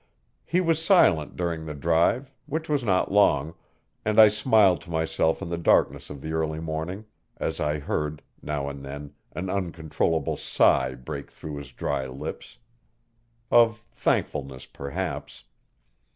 He was silent during the drive, which was not long, and I smiled to myself in the darkness of the early morning as I heard, now and then, an uncontrollable sigh break through his dry lips. Of thankfulness, perhaps.